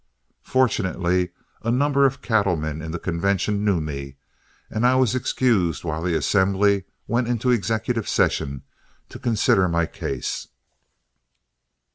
Fortunately a number of the cattlemen in the convention knew me, and I was excused while the assembly went into executive session to consider my case.